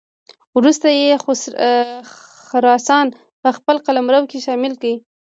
وروسته یې خراسان په خپل قلمرو کې شامل کړ.